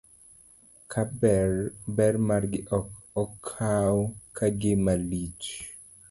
Ka ber margi ok okaw ka gima lich.